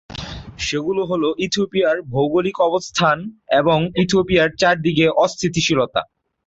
সেগুলো হল, ইথিওপিয়ার ভৌগোলিক অবস্থান এবং ইথিওপিয়ার চারদিকে অস্থিতিশীলতা।